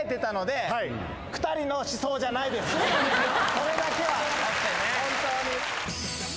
それだけは本当に。